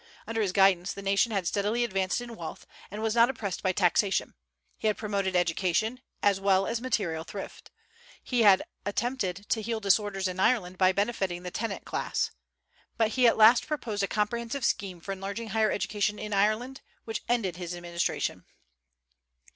Under his guidance the nation had steadily advanced in wealth, and was not oppressed by taxation; he had promoted education as wall as material thrift; he had attempted to heal disorders in Ireland by benefiting the tenant class. But he at last proposed a comprehensive scheme for enlarging higher education in Ireland, which ended his administration.